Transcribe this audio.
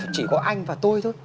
chỉ có anh và tôi thôi